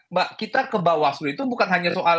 mbak kita ke bawaslu itu bukan hanya soal